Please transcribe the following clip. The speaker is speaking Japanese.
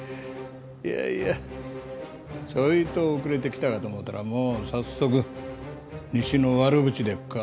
いやいやちょいと遅れてきたかと思うたらもう早速西の悪口でっか？